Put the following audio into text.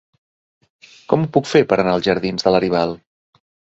Com ho puc fer per anar als jardins de Laribal?